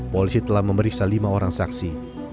polisi telah memeriksa lima orang saksi